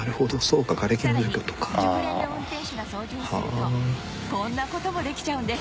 さらに熟練の運転手が操縦するとこんな事もできちゃうんです